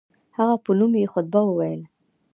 هغه په نوم یې خطبه وویل.